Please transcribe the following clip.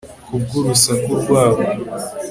ku bw urusaku rwabo